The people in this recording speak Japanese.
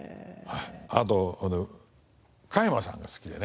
あと加山さんが好きでね。